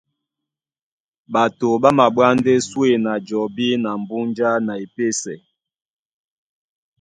Ɓato ɓá maɓwá ndé súe na jɔbí na mbúnjá na epésɛ.